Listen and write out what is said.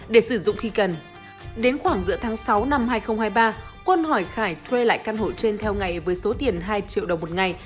đến khoảng giữa tháng sáu năm hai nghìn hai mươi ba quân hỏi khải thuê lại căn hộ trên theo ngày với số tiền hai triệu đồng một ngày